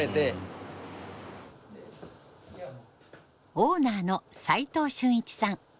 オーナーの齊藤俊一さん。